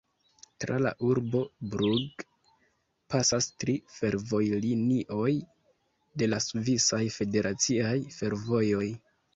Tra la urbo Brugg pasas tri fervojlinioj de la Svisaj Federaciaj Fervojoj.